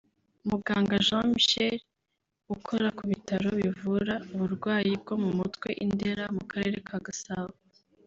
Muganga Jean Michel ukora ku bitaro bivura uburwayi bwo mu mutwe i Ndera mu karere ka Gasabo